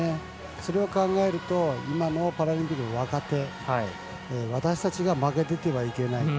それを考えると今のパラリンピックの若手私たちが負けていてはいけない。